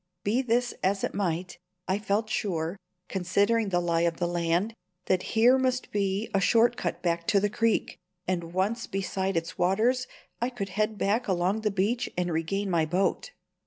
Be this as it might, I felt sure, considering the lie of the land, that here must be a short cut back to the creek; and once beside its waters I could head back along the beach and regain my boat.